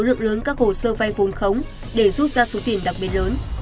lượng lớn các hồ sơ vay vốn khống để rút ra số tiền đặc biệt lớn